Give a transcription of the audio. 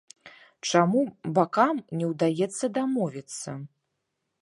Чаму бакам не ўдаецца дамовіцца?